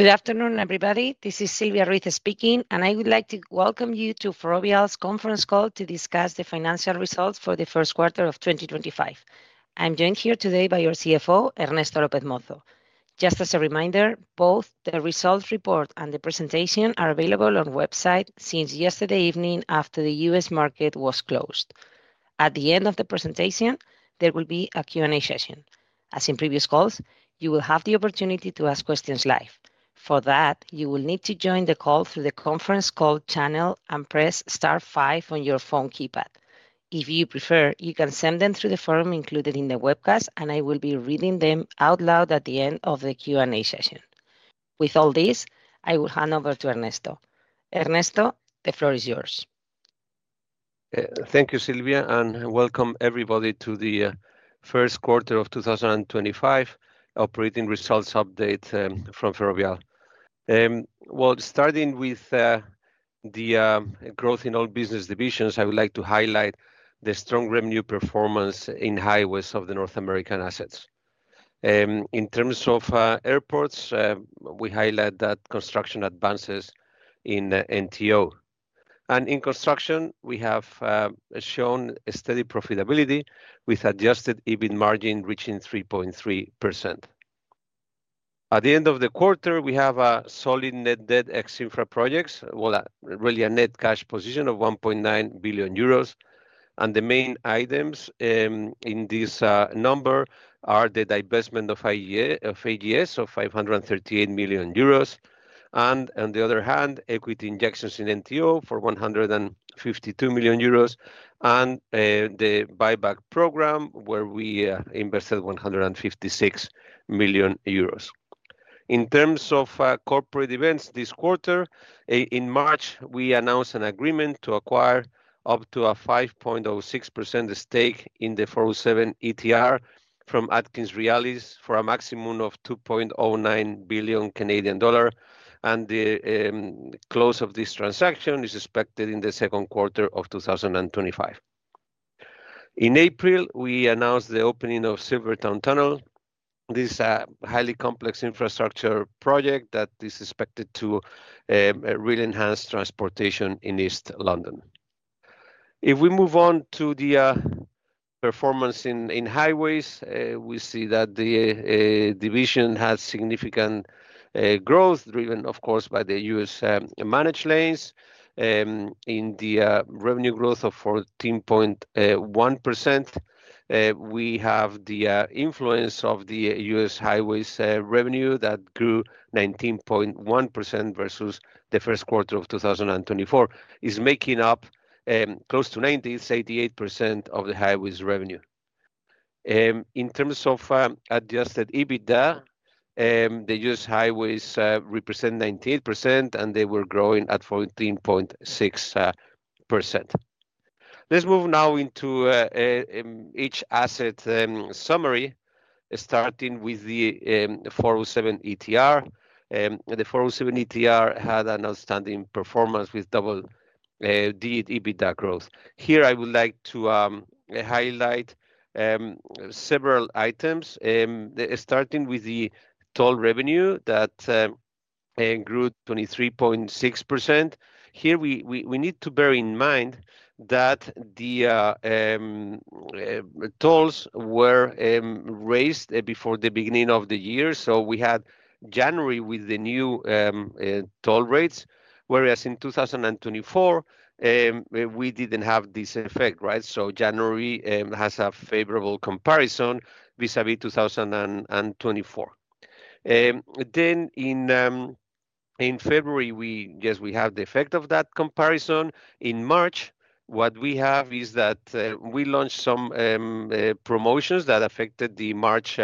Good afternoon, everybody. This is Silvia Ruiz speaking, and I would like to welcome you to Ferrovial's conference call to discuss the financial results for the first quarter of 2025. I'm joined here today by your CFO, Ernesto López Mozo. Just as a reminder, both the results report and the presentation are available on the website since yesterday evening after the U.S. market was closed. At the end of the presentation, there will be a Q&A session. As in previous calls, you will have the opportunity to ask questions live. For that, you will need to join the call through the conference call channel and press star five on your phone keypad. If you prefer, you can send them through the form included in the webcast, and I will be reading them out loud at the end of the Q&A session. With all this, I will hand over to Ernesto. Ernesto, the floor is yours. Thank you, Silvia, and welcome everybody to the first quarter of 2025 operating results update from Ferrovial. Starting with the growth in all business divisions, I would like to highlight the strong revenue performance in highways of the North American assets. In terms of airports, we highlight that construction advances in NTO. In construction, we have shown steady profitability with adjusted EBIT margin reaching 3.3%. At the end of the quarter, we have a solid net debt ex-infra projects, really a net cash position of 1.9 billion euros. The main items in this number are the divestment of AG&S of 538 million euros, on the other hand, equity injections in NTO for 152 million euros, and the buyback program where we invested 156 million euros. In terms of corporate events this quarter, in March, we announced an agreement to acquire up to a 5.06% stake in the 407 ETR from AtkinsRéalis for a maximum of 2.09 billion Canadian dollar, and the close of this transaction is expected in the second quarter of 2025. In April, we announced the opening of Silvertown Tunnel. This is a highly complex infrastructure project that is expected to really enhance transportation in East London. If we move on to the performance in highways, we see that the division has significant growth driven, of course, by the U.S. managed lanes. In the revenue growth of 14.1%, we have the influence of the U.S. highway's revenue that grew 19.1% versus the first quarter of 2024. It's making up close to 98% of the highway's revenue. In terms of adjusted EBITDA, the U.S. highways represent 98%, and they were growing at 14.6%. Let's move now into each asset summary, starting with the 407 ETR. The 407 ETR had an outstanding performance with double EBITDA growth. Here, I would like to highlight several items, starting with the toll revenue that grew 23.6%. Here, we need to bear in mind that the tolls were raised before the beginning of the year. We had January with the new toll rates, whereas in 2024, we did not have this effect, right? January has a favorable comparison vis-à-vis 2024. In February, yes, we have the effect of that comparison. In March, what we have is that we launched some promotions that affected the March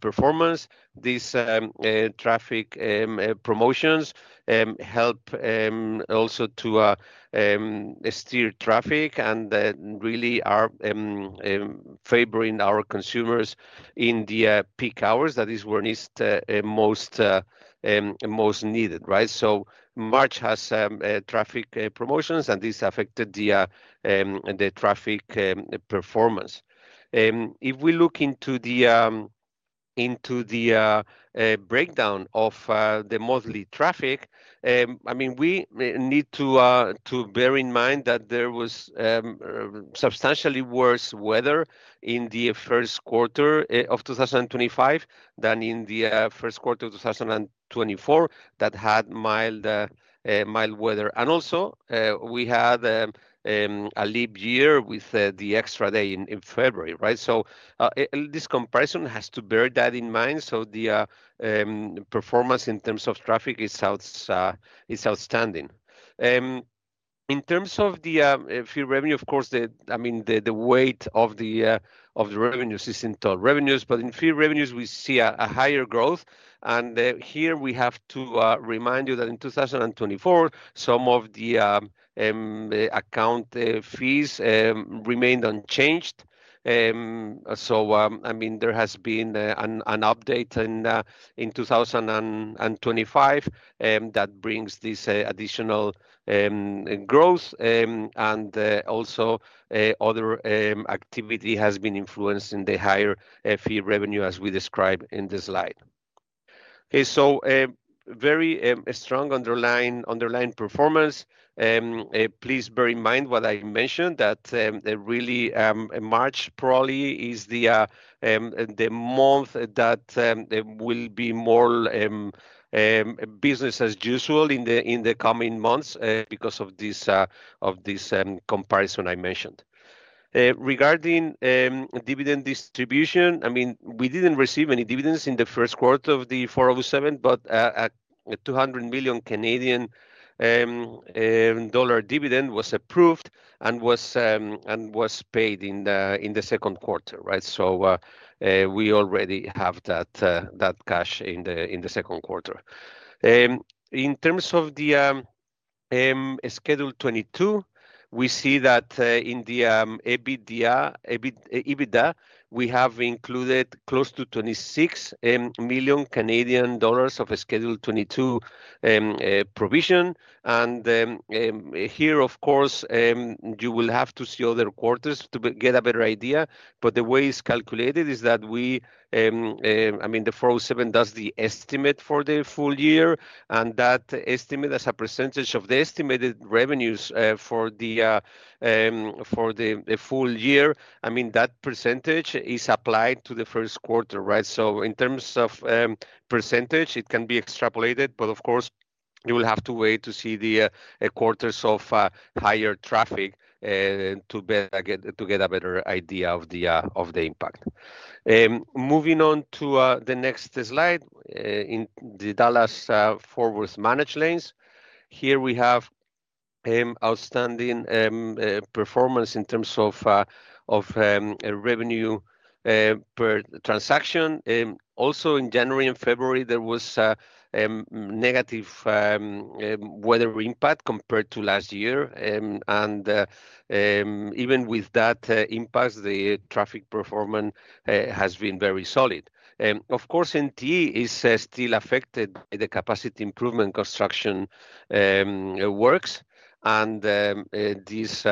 performance. These traffic promotions help also to steer traffic and really are favoring our consumers in the peak hours. That is where it is most needed, right? March has traffic promotions, and this affected the traffic performance. If we look into the breakdown of the monthly traffic, I mean, we need to bear in mind that there was substantially worse weather in the first quarter of 2025 than in the first quarter of 2024 that had mild weather. Also, we had a leap year with the extra day in February, right? This comparison has to bear that in mind. The performance in terms of traffic is outstanding. In terms of the fee revenue, of course, I mean, the weight of the revenues is in toll revenues, but in fee revenues, we see a higher growth. Here we have to remind you that in 2024, some of the account fees remained unchanged. I mean, there has been an update in 2025 that brings this additional growth, and also other activity has been influencing the higher fee revenue as we described in the slide. Okay, so very strong underlying performance. Please bear in mind what I mentioned, that really March prolly is the month that will be more business as usual in the coming months because of this comparison I mentioned. Regarding dividend distribution, I mean, we did not receive any dividends in the first quarter of the 407, but a 200 million Canadian dollar dividend was approved and was paid in the second quarter, right? We already have that cash in the second quarter. In terms of the Schedule 22, we see that in the EBITDA, we have included close to 26 million Canadian dollars of a Schedule 22 provision. Here, of course, you will have to see other quarters to get a better idea, but the way it's calculated is that we, I mean, the 407 does the estimate for the full year, and that estimate as a percentage of the estimated revenues for the full year, I mean, that percentage is applied to the first quarter, right? In terms of percentage, it can be extrapolated, but of course, you will have to wait to see the quarters of higher traffic to get a better idea of the impact. Moving on to the next slide, in the Dallas Fort Worth Managed lanes, here we have outstanding performance in terms of revenue per transaction. Also, in January and February, there was negative weather impact compared to last year. Even with that impact, the traffic performance has been very solid. Of course, NTE is still affected by the capacity improvement construction works, and this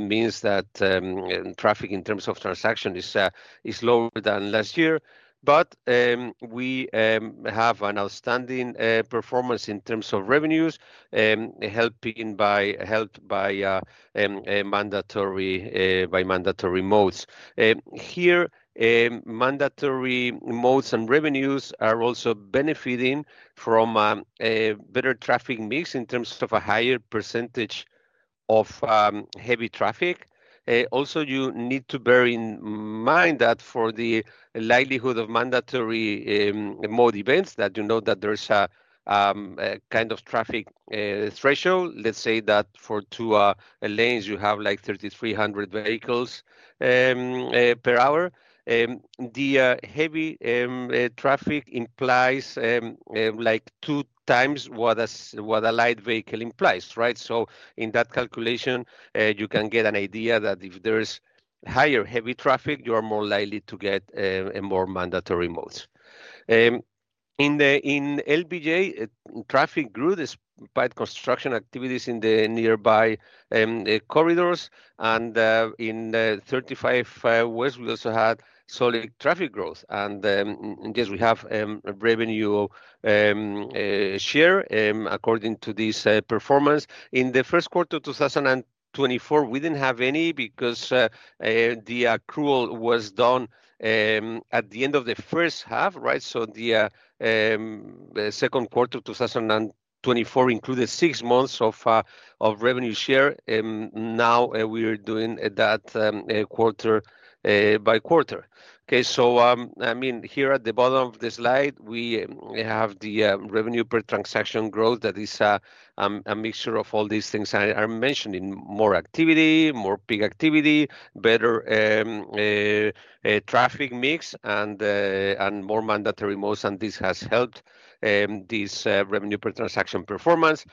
means that traffic in terms of transaction is lower than last year, but we have an outstanding performance in terms of revenues, helped by mandatory modes. Here, mandatory modes and revenues are also benefiting from a better traffic mix in terms of a higher percentage of heavy traffic. Also, you need to bear in mind that for the likelihood of mandatory mode events, that you know that there's a kind of traffic threshold. Let's say that for two lanes, you have like 3,300 vehicles per hour. The heavy traffic implies like two times what a light vehicle implies, right? So in that calculation, you can get an idea that if there's higher heavy traffic, you are more likely to get more mandatory modes. In LBJ, traffic grew despite construction activities in the nearby corridors, and in 35 West, we also had solid traffic growth. Yes, we have revenue share according to this performance. In the first quarter of 2024, we did not have any because the accrual was done at the end of the first half, right? The second quarter of 2024 included six months of revenue share. Now we are doing that quarter by quarter. Okay, I mean, here at the bottom of the slide, we have the revenue per transaction growth. That is a mixture of all these things I am mentioning: more activity, more peak activity, better traffic mix, and more mandatory modes, and this has helped this revenue per transaction performance.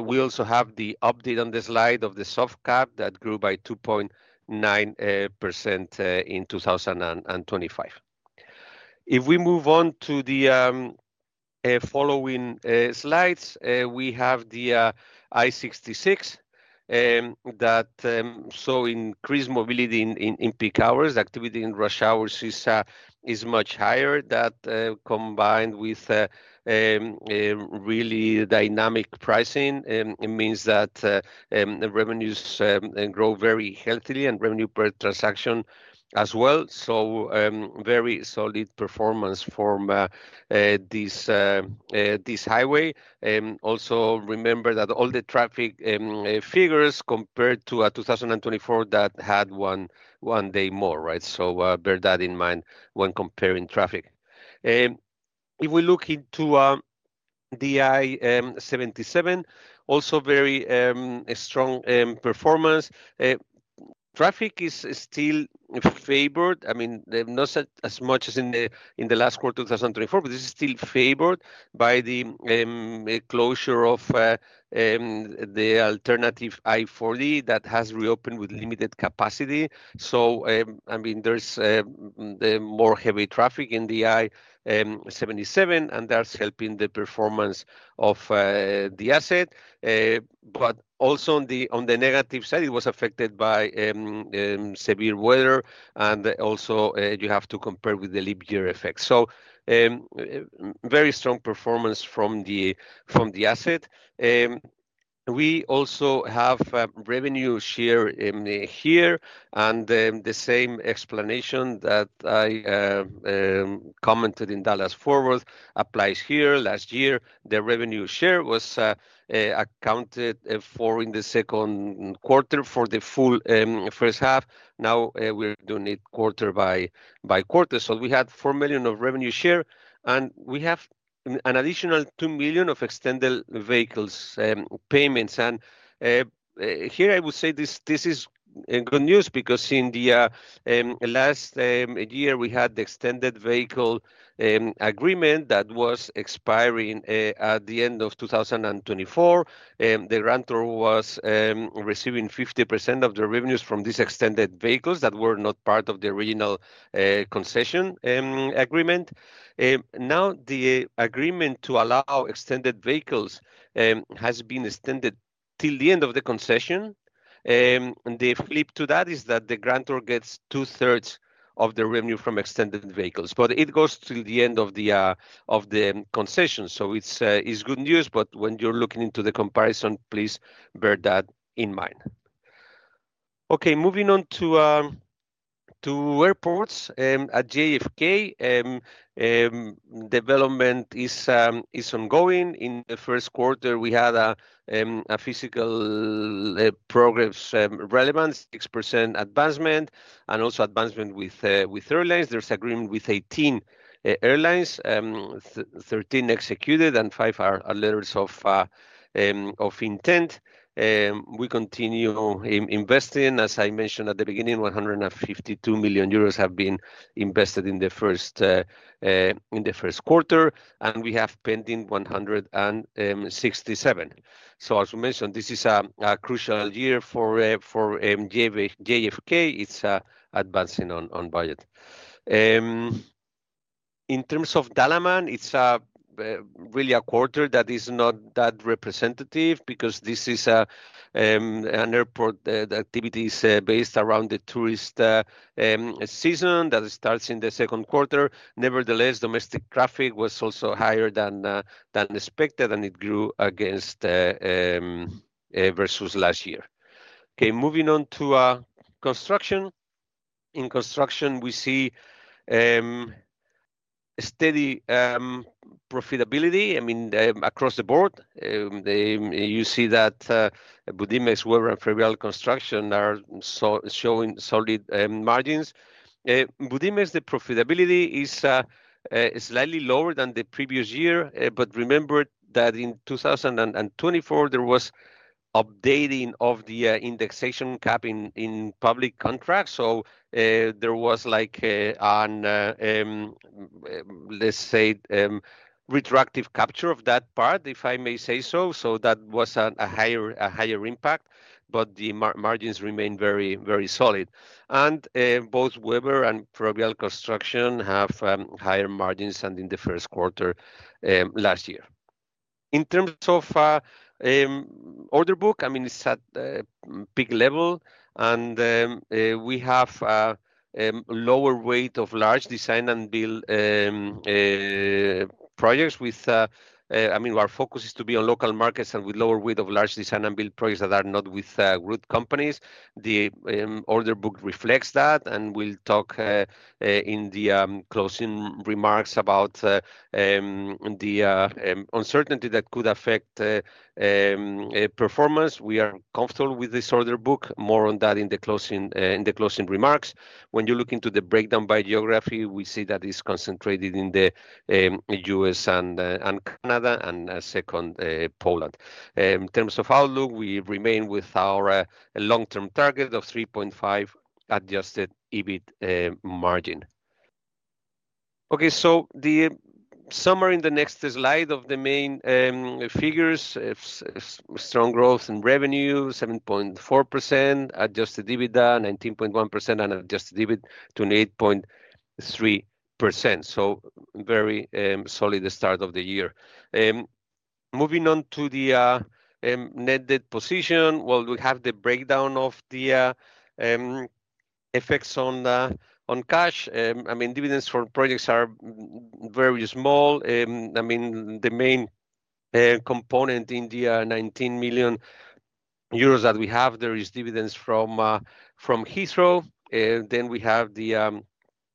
We also have the update on the slide of the soft cap that grew by 2.9% in 2025. If we move on to the following slides, we have the I-66 that saw increased mobility in peak hours. Activity in rush hours is much higher. That combined with really dynamic pricing, it means that revenues grow very healthily and revenue per transaction as well. Very solid performance for this highway. Also remember that all the traffic figures compared to 2024 that had one day more, right? Bear that in mind when comparing traffic. If we look into the I-77, also very strong performance. Traffic is still favored, I mean, not as much as in the last quarter of 2024, but this is still favored by the closure of the alternative I-40 that has reopened with limited capacity. I mean, there is more heavy traffic in the I-77, and that is helping the performance of the asset. Also on the negative side, it was affected by severe weather, and you have to compare with the leap year effect. Very strong performance from the asset. We also have revenue share here, and the same explanation that I commented in Dallas Fort Worth applies here. Last year, the revenue share was accounted for in the second quarter for the full first half. Now we're doing it quarter by quarter. We had 4 million of revenue share, and we have an additional 2 million of extended vehicles payments. I would say this is good news because in the last year, we had the extended vehicle agreement that was expiring at the end of 2024. The grantor was receiving 50% of the revenues from these extended vehicles that were not part of the original concession agreement. Now the agreement to allow extended vehicles has been extended till the end of the concession. The flip to that is that the grantor gets two-thirds of the revenue from extended vehicles, but it goes till the end of the concession. It is good news, but when you are looking into the comparison, please bear that in mind. Moving on to Airports. At JFK, development is ongoing. In the first quarter, we had a physical progress relevance, 6% advancement, and also advancement with airlines. There is agreement with 18 airlines, 13 executed, and five are letters of intent. We continue investing. As I mentioned at the beginning, 152 million euros have been invested in the first quarter, and we have pending 167 million. As we mentioned, this is a crucial year for JFK. It is advancing on budget. In terms of Dalaman, it's really a quarter that is not that representative because this is an airport that activity is based around the tourist season that starts in the second quarter. Nevertheless, domestic traffic was also higher than expected, and it grew versus last year. Okay, moving on to Construction. In Construction, we see steady profitability, I mean, across the board. You see that Budimex, Webber, and Ferrovial Construction are showing solid margins. Budimex, the profitability is slightly lower than the previous year, but remember that in 2024, there was updating of the indexation cap in public contracts. There was, let's say, retroactive capture of that part, if I may say so. That was a higher impact, but the margins remain very solid. Both Webber and Ferrovial Construction have higher margins than in the first quarter last year. In terms of order book, I mean, it's at peak level, and we have lower weight of large design and build projects with, I mean, our focus is to be on local markets and with lower weight of large design and build projects that are not with root companies. The order book reflects that, and we'll talk in the closing remarks about the uncertainty that could affect performance. We are comfortable with this order book. More on that in the closing remarks. When you look into the breakdown by geography, we see that it's concentrated in the U.S. and Canada and second, Poland. In terms of outlook, we remain with our long-term target of 3.5% adjusted EBIT margin. Okay, so the summary in the next slide of the main figures: strong growth in revenue, 7.4%, adjusted EBITDA 19.1%, and adjusted EBIT 28.3%. Very solid start of the year. Moving on to the netted position, we have the breakdown of the effects on cash. I mean, dividends for projects are very small. I mean, the main component in the 19 million euros that we have, there is dividends from Heathrow. Then we have the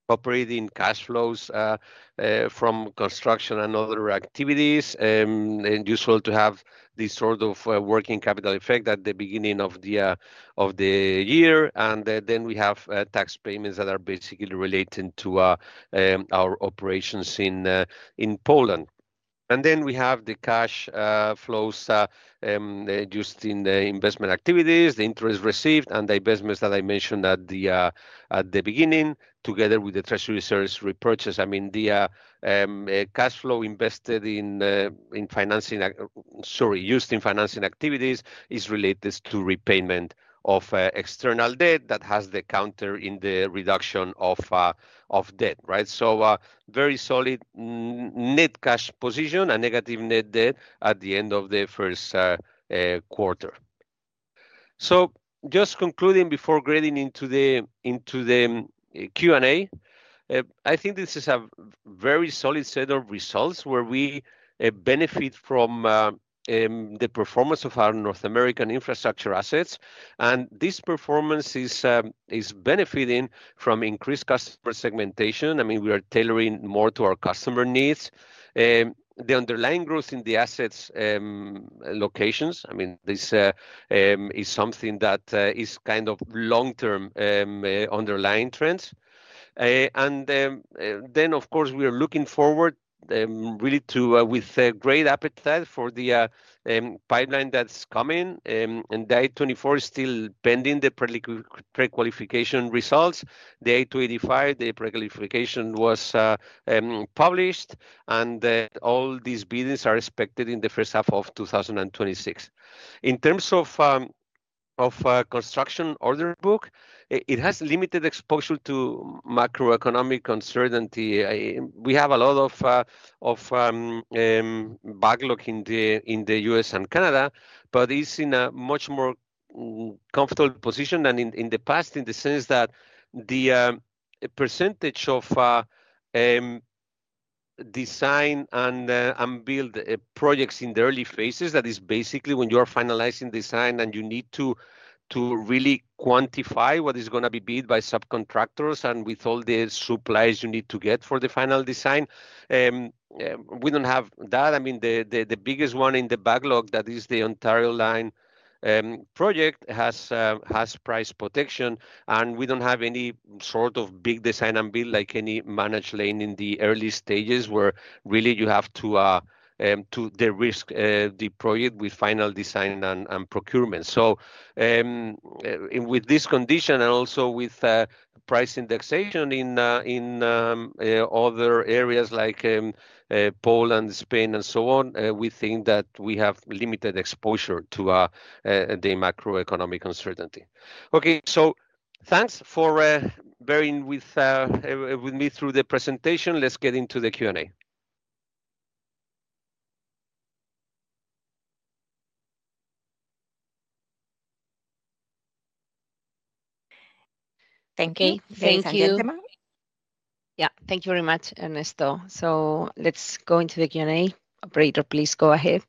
operating cash flows from construction and other activities. I mean, useful to have this sort of working capital effect at the beginning of the year. We have tax payments that are basically related to our operations in Poland. We have the cash flows just in the investment activities, the interest received, and the investments that I mentioned at the beginning together with the treasury shares repurchase. I mean, the cash flow invested in financing, sorry, used in financing activities is related to repayment of external debt that has the counter in the reduction of debt, right? Very solid net cash position and negative net debt at the end of the first quarter. Just concluding before grading into the Q&A, I think this is a very solid set of results where we benefit from the performance of our North American infrastructure assets. This performance is benefiting from increased customer segmentation. I mean, we are tailoring more to our customer needs. The underlying growth in the assets locations, I mean, this is something that is kind of long-term underlying trends. Of course, we are looking forward really to with great appetite for the pipeline that's coming. The A24 is still pending the pre-qualification results. The A285, the pre-qualification was published, and all these buildings are expected in the first half of 2026. In terms of construction order book, it has limited exposure to macroeconomic uncertainty. We have a lot of backlog in the U.S. and Canada, but it's in a much more comfortable position than in the past in the sense that the percentage of design and build projects in the early phases, that is basically when you are finalizing design and you need to really quantify what is going to be bid by subcontractors and with all the supplies you need to get for the final design, we don't have that. I mean, the biggest one in the backlog, that is the Ontario Line project, has price protection, and we don't have any sort of big design and build like any Managed lane in the early stages where really you have to risk the project with final design and procurement. With this condition and also with price indexation in other areas like Poland, Spain, and so on, we think that we have limited exposure to the macroeconomic uncertainty. Okay, so thanks for bearing with me through the presentation. Let's get into the Q&A. Thank you. Ladies and gentlemen. Yeah, thank you very much, Ernesto. Let's go into the Q&A. Operator, please go ahead.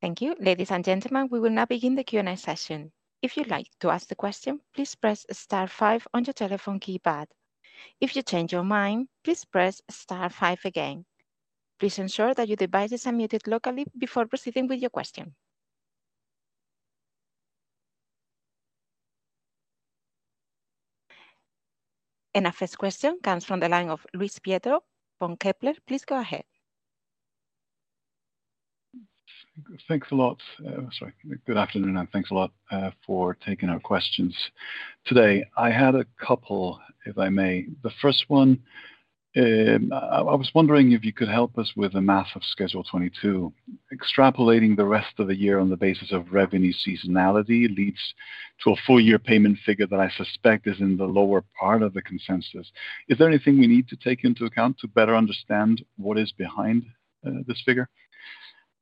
Thank you. Ladies and gentlemen, we will now begin the Q&A session. If you'd like to ask a question, please press star five on your telephone keypad. If you change your mind, please press star five again. Please ensure that your device is unmuted locally before proceeding with your question. Our first question comes from the line of Luis Prieto from Kepler. Please go ahead. Thanks a lot. Sorry. Good afternoon, and thanks a lot for taking our questions today. I had a couple, if I may. The first one, I was wondering if you could help us with the math of Schedule 22. Extrapolating the rest of the year on the basis of revenue seasonality leads to a full year payment figure that I suspect is in the lower part of the consensus. Is there anything we need to take into account to better understand what is behind this figure?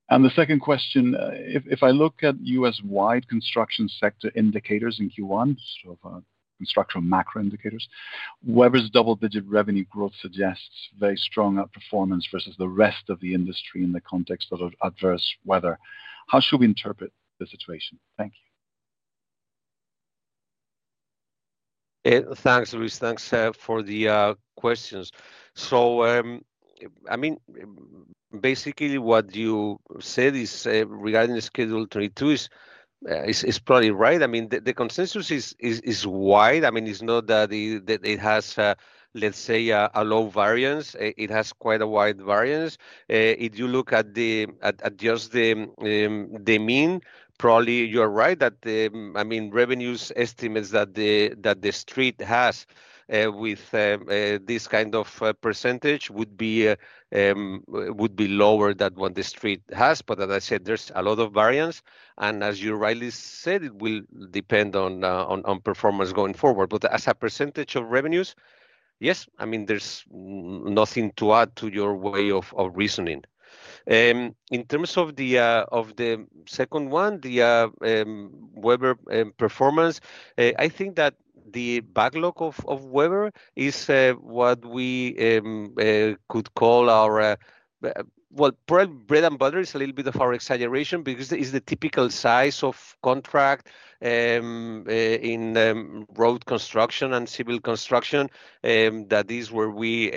The second question, if I look at U.S.-wide construction sector indicators in Q1, sort of construction macro indicators, Webber's double-digit revenue growth suggests very strong outperformance versus the rest of the industry in the context of adverse weather. How should we interpret the situation? Thank you. Thanks, Luis. Thanks for the questions. I mean, basically what you said regarding Schedule 22 is probably right. The consensus is wide. It's not that it has, let's say, a low variance. It has quite a wide variance. If you look at just the mean, probably you're right that, I mean, revenue estimates that the street has with this kind of percentage would be lower than what the street has. As I said, there's a lot of variance. As you rightly said, it will depend on performance going forward. As a percentage of revenues, yes, there's nothing to add to your way of reasoning. In terms of the second one, the Weber performance, I think that the backlog of Webber is what we could call our, well, bread and butter is a little bit of an exaggeration because it is the typical size of contract in road construction and civil construction that is where we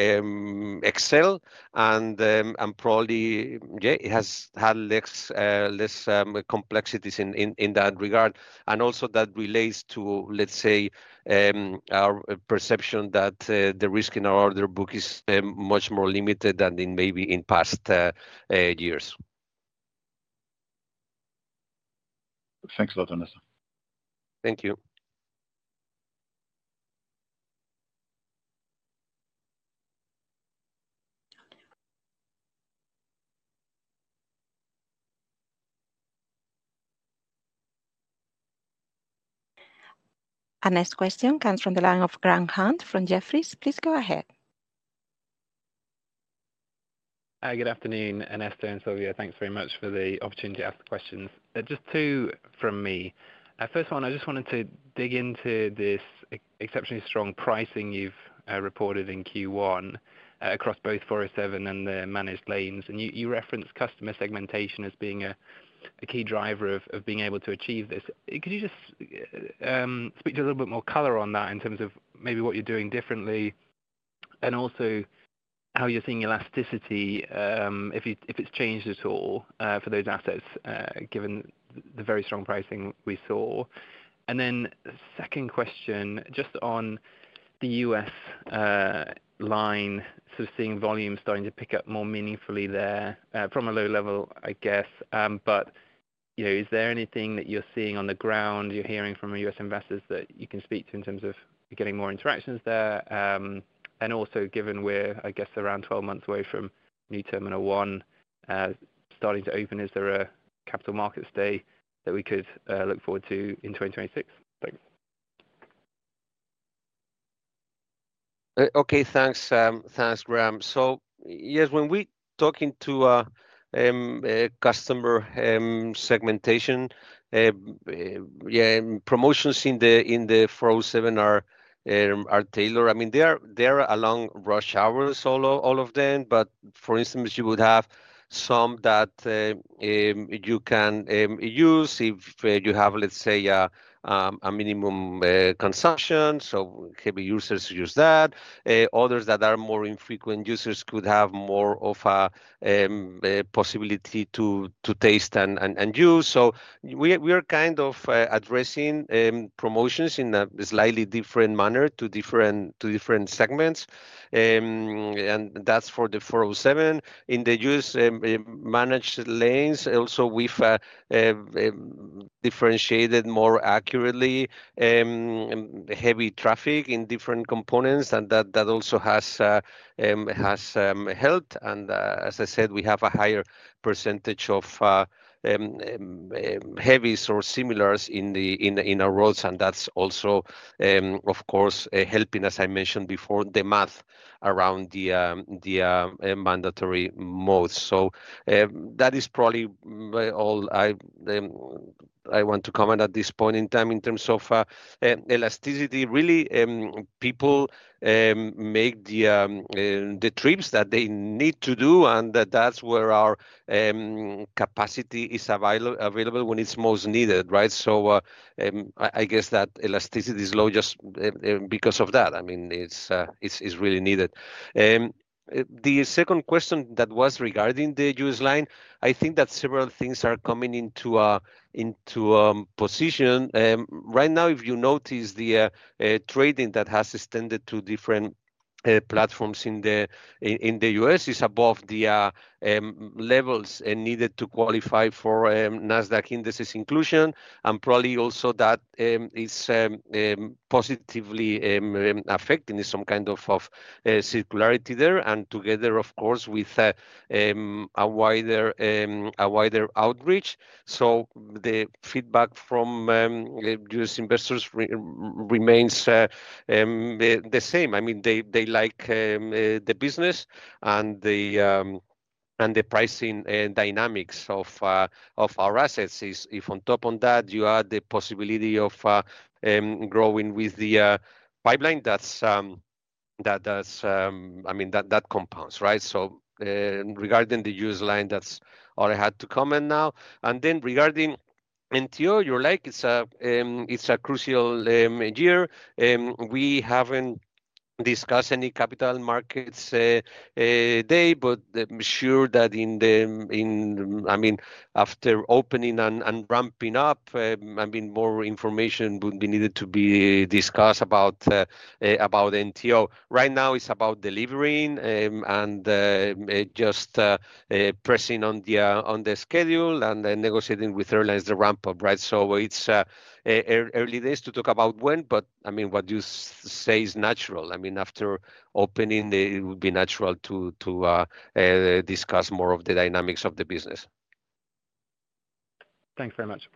excel. It has had less complexities in that regard. That also relates to, let's say, our perception that the risk in our order book is much more limited than it may be in past years. Thanks a lot, Ernesto. Thank you. Our next question comes from the line of Graham Hunt from Jefferies. Please go ahead. Hi, good afternoon, Ernesto and Silvia. Thanks very much for the opportunity to ask the questions. Just two from me. First one, I just wanted to dig into this exceptionally strong pricing you've reported in Q1 across both 407 and the Managed lanes. You referenced customer segmentation as being a key driver of being able to achieve this. Could you just speak to a little bit more color on that in terms of maybe what you're doing differently and also how you're seeing elasticity, if it's changed at all for those assets given the very strong pricing we saw? Second question, just on the U.S. Line, sort of seeing volume starting to pick up more meaningfully there from a low level, I guess. Is there anything that you're seeing on the ground, you're hearing from U.S. investors that you can speak to in terms of getting more interactions there? Also, given we're, I guess, around 12 months away from New Terminal One starting to open, is there a capital markets day that we could look forward to in 2026? Thanks. Okay, thanks. Thanks, Graham. Yes, when we're talking to customer segmentation, promotions in the 407 are tailored. I mean, they are along rush hours, all of them. For instance, you would have some that you can use if you have, let's say, a minimum consumption. Heavy users use that. Others that are more infrequent users could have more of a possibility to taste and use. We are kind of addressing promotions in a slightly different manner to different segments. That's for the 407. In the U.S. Managed lanes, also we've differentiated more accurately heavy traffic in different components. That also has helped. As I said, we have a higher percentage of heavies or similars in our roads. That's also, of course, helping, as I mentioned before, the math around the mandatory modes. That is probably all I want to comment at this point in time in terms of elasticity. Really, people make the trips that they need to do, and that is where our capacity is available when it is most needed, right? I guess that elasticity is low just because of that. I mean, it is really needed. The second question that was regarding the U.S. Line, I think that several things are coming into position. Right now, if you notice the trading that has extended to different platforms in the U.S. is above the levels needed to qualify for Nasdaq Indices inclusion. That is probably also positively affecting some kind of circularity there. Together, of course, with a wider outreach. The feedback from U.S. investors remains the same. I mean, they like the business and the pricing dynamics of our assets. If on top of that, you add the possibility of growing with the pipeline, that compounds, right? Regarding the U.S. Line, that's all I had to comment now. Regarding NTO, you're like, it's a crucial year. We haven't discussed any capital markets day, but sure that in the, I mean, after opening and ramping up, more information would be needed to be discussed about NTO. Right now, it's about delivering and just pressing on the schedule and then negotiating with airlines to ramp up, right? It's early days to talk about when, but what you say is natural. After opening, it would be natural to discuss more of the dynamics of the business. Thanks very much.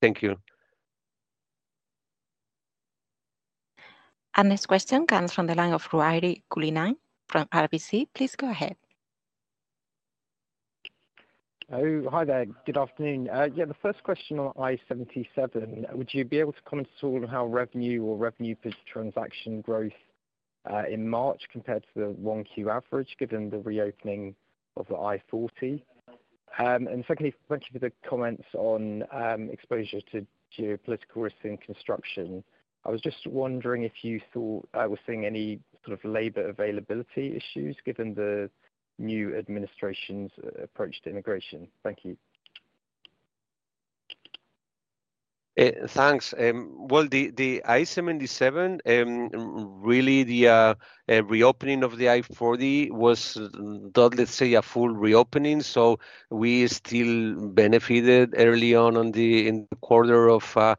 Thank you. This question comes from the line of Ruairi Cullinane from RBC. Please go ahead. Hi, there. Good afternoon. Yeah, the first question on I-77, would you be able to comment at all on how revenue or revenue per transaction growth in March compared to the Q1 average given the reopening of the I-40? Secondly, thank you for the comments on exposure to geopolitical risks in construction. I was just wondering if you thought I was seeing any sort of labor availability issues given the new administration's approach to integration. Thank you. Thanks. The I-77, really the reopening of the I-40 was not, let's say, a full reopening. We still benefited early on in the quarter from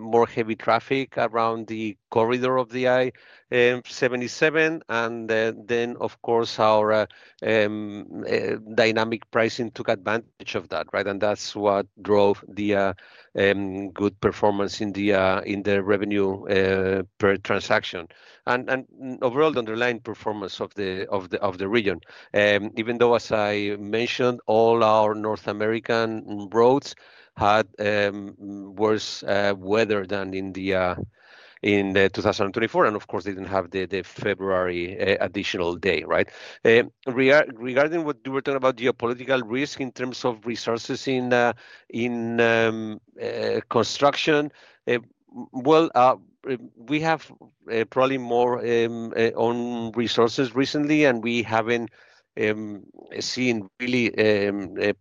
more heavy traffic around the corridor of the I-77. Our dynamic pricing took advantage of that, right? That is what drove the good performance in the revenue per transaction. Overall, the underlying performance of the region, even though, as I mentioned, all our North American roads had worse weather than in 2024. They did not have the February additional day, right? Regarding what you were talking about, geopolitical risk in terms of resources in construction, we have probably more own resources recently, and we have not seen really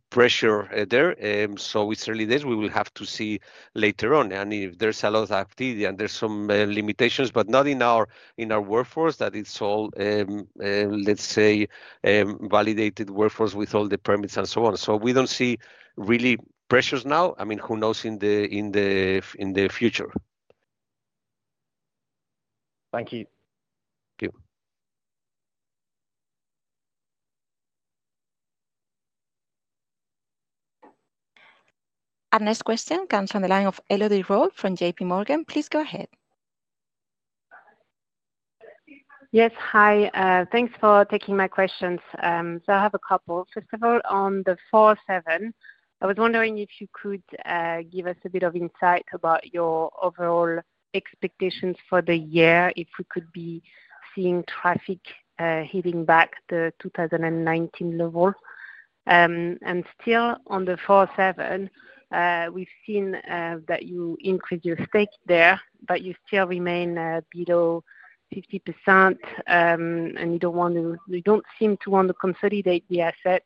pressure there. It is early days; we will have to see later on. If there's a lot of activity and there's some limitations, but not in our workforce, that it's all, let's say, validated workforce with all the permits and so on. We don't see really pressures now. I mean, who knows in the future? Thank you. Thank you. Our next question comes from the line of Elodie Rall from J.P. Morgan. Please go ahead. Yes, hi. Thanks for taking my questions. I have a couple. First of all, on the 407, I was wondering if you could give us a bit of insight about your overall expectations for the year, if we could be seeing traffic hitting back the 2019 level. Still on the 407, we've seen that you increase your stake there, but you still remain below 50%, and you do not seem to want to consolidate the asset,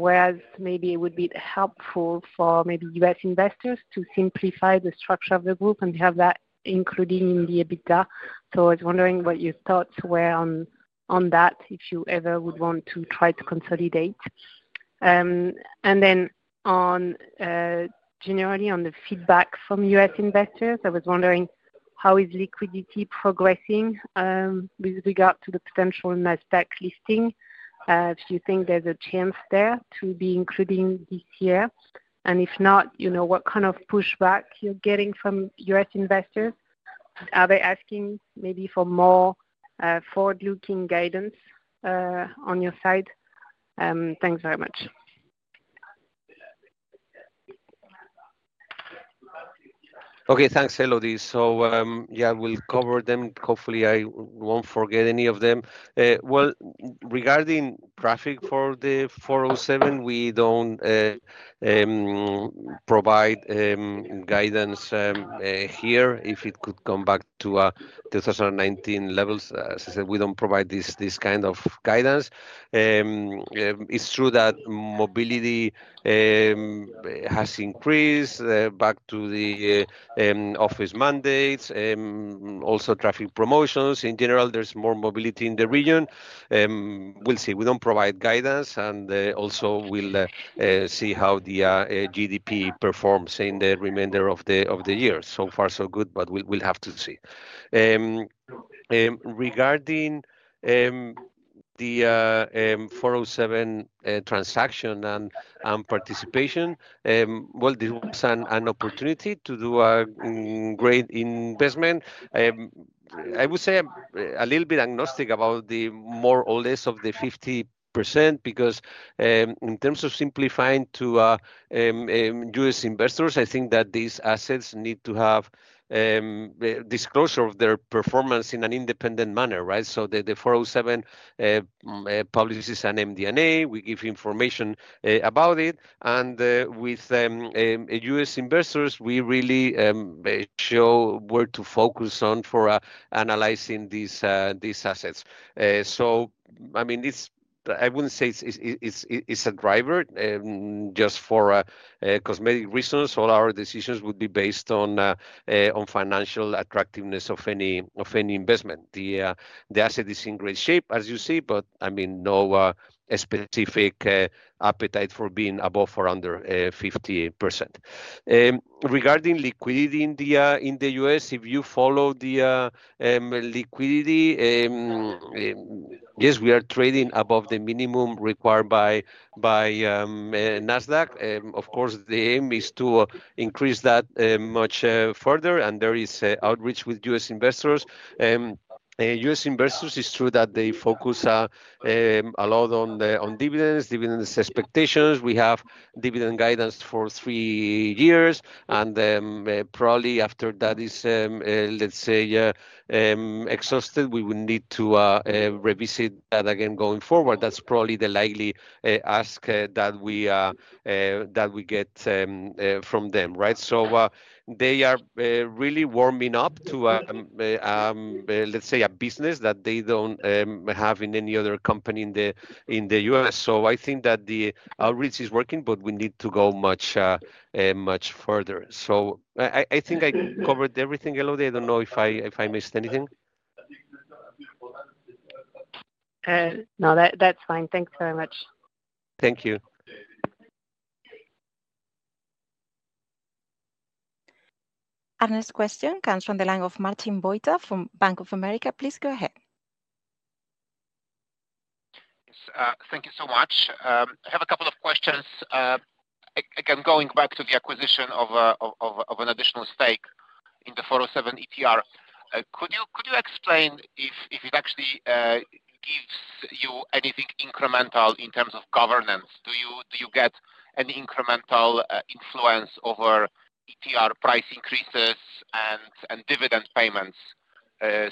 whereas maybe it would be helpful for maybe U.S. investors to simplify the structure of the group and have that included in the EBITDA. I was wondering what your thoughts were on that, if you ever would want to try to consolidate. Generally on the feedback from U.S. investors, I was wondering how is liquidity progressing with regard to the potential Nasdaq listing? Do you think there's a chance there to be included this year? If not, what kind of pushback are you getting from U.S. investors? Are they asking maybe for more forward-looking guidance on your side? Thanks very much. Okay, thanks, Elodie. Yeah, we'll cover them. Hopefully, I won't forget any of them. Regarding traffic for the 407, we don't provide guidance here. If it could come back to 2019 levels, as I said, we don't provide this kind of guidance. It's true that mobility has increased back to the office mandates, also traffic promotions. In general, there's more mobility in the region. We'll see. We don't provide guidance. Also, we'll see how the GDP performs in the remainder of the year. So far, so good, but we'll have to see. Regarding the 407 transaction and participation, this was an opportunity to do a great investment. I would say a little bit agnostic about the more or less of the 50% because in terms of simplifying to U.S. investors, I think that these assets need to have disclosure of their performance in an independent manner, right? The 407 publishes an MD&A. We give information about it. With U.S. investors, we really show where to focus on for analyzing these assets. I mean, I wouldn't say it's a driver just for cosmetic reasons. All our decisions would be based on financial attractiveness of any investment. The asset is in great shape, as you see, but I mean, no specific appetite for being above or under 50%. Regarding liquidity in the U.S., if you follow the liquidity, yes, we are trading above the minimum required by Nasdaq. Of course, the aim is to increase that much further. There is outreach with U.S. investors. U.S. investors, it's true that they focus a lot on dividends, dividends expectations. We have dividend guidance for three years. Probably after that is, let's say, exhausted, we would need to revisit that again going forward. That's probably the likely ask that we get from them, right? They are really warming up to, let's say, a business that they don't have in any other company in the U.S. I think that the outreach is working, but we need to go much further. I think I covered everything, Elodie. I don't know if I missed anything. No, that's fine. Thanks very much. Thank you. This question comes from the line of Martin Bucht from Bank of America. Please go ahead. Thank you so much. I have a couple of questions. Again, going back to the acquisition of an additional stake in the 407 ETR, could you explain if it actually gives you anything incremental in terms of governance? Do you get any incremental influence over ETR price increases and dividend payments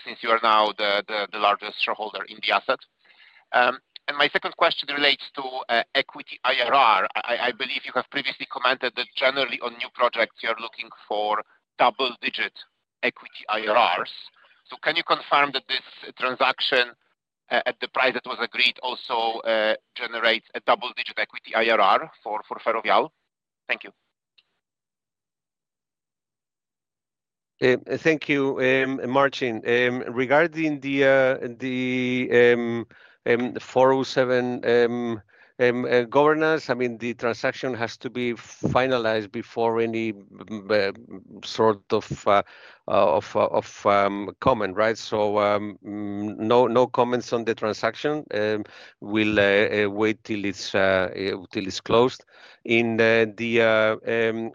since you are now the largest shareholder in the asset? My second question relates to equity IRR. I believe you have previously commented that generally on new projects, you're looking for double-digit equity IRRs. Can you confirm that this transaction at the price that was agreed also generates a double-digit equity IRR for Ferrovial? Thank you. Thank you, Martin. Regarding the 407 governance, I mean, the transaction has to be finalized before any sort of comment, right? No comments on the transaction. We'll wait till it's closed. In the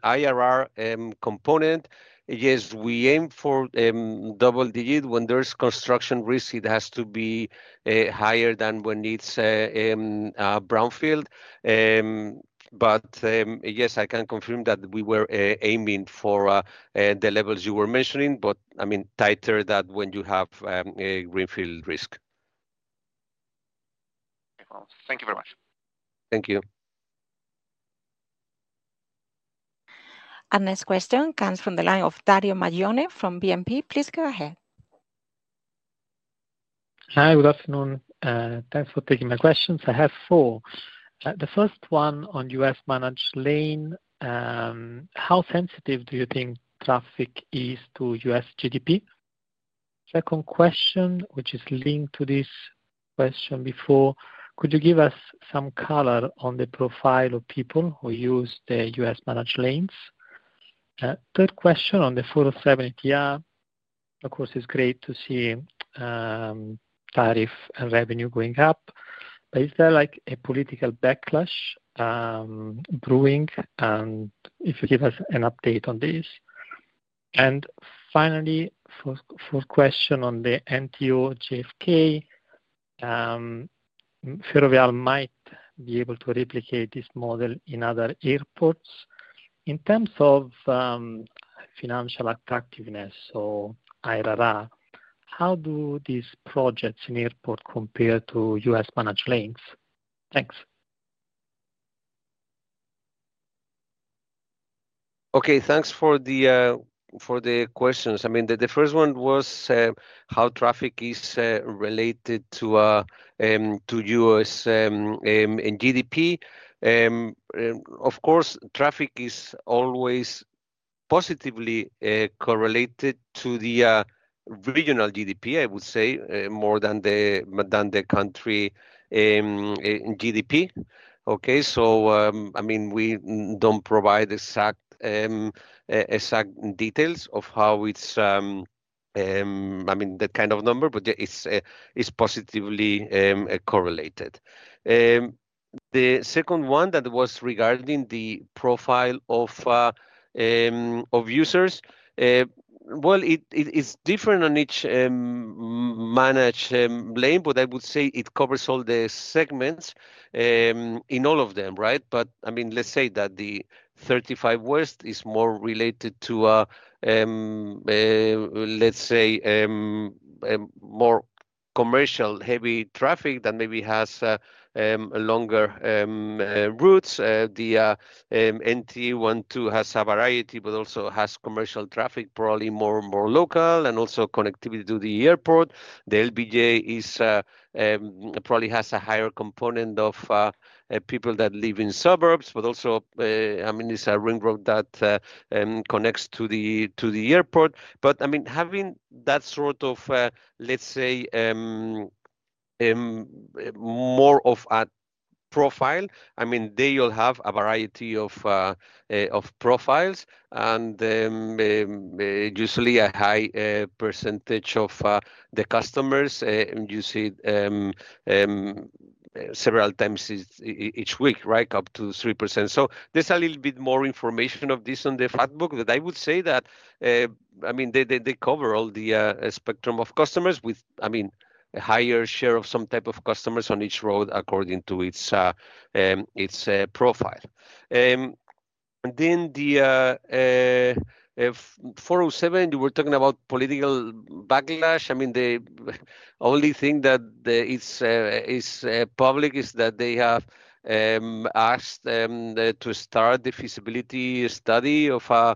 IRR component, yes, we aim for double-digit. When there's construction risk, it has to be higher than when it's brownfield. Yes, I can confirm that we were aiming for the levels you were mentioning, but I mean, tighter than when you have greenfield risk. Thank you very much. Thank you. This question comes from the line of Dario Maglione from BNP. Please go ahead. Hi, good afternoon. Thanks for taking my questions. I have four. The first one on US managed lane, how sensitive do you think traffic is to US GDP? Second question, which is linked to this question before, could you give us some color on the profile of people who use the US Managed lanes? Third question on the 407 ETR, of course, it's great to see tariff and revenue going up. Is there a political backlash brewing? If you could give us an update on this. Finally, fourth question on the NTO JFK, Ferrovial might be able to replicate this model in other airports. In terms of financial attractiveness, so IRR, how do these projects in Airport compare to US Managed lanes? Thanks. Okay, thanks for the questions. I mean, the first one was how traffic is related to U.S. GDP. Of course, traffic is always positively correlated to the regional GDP, I would say, more than the country GDP. Okay, so I mean, we don't provide exact details of how it's, I mean, that kind of number, but it's positively correlated. The second one that was regarding the profile of users, well, it's different on each Managed lane, but I would say it covers all the segments in all of them, right? I mean, let's say that the I-35 West is more related to, let's say, more commercial heavy traffic that maybe has longer routes. The NTE has a variety, but also has commercial traffic, probably more local, and also connectivity to the airport. The LBJ probably has a higher component of people that live in suburbs, but also, I mean, it's a ring road that connects to the airport. I mean, having that sort of, let's say, more of a profile, I mean, they will have a variety of profiles. Usually, a high percentage of the customers, you see several times each week, right, up to 3%. There's a little bit more information of this on the FACT BOOK, but I would say that, I mean, they cover all the spectrum of customers with, I mean, a higher share of some type of customers on each road according to its profile. Then the 407, you were talking about political backlash. I mean, the only thing that is public is that they have asked to start the feasibility study of a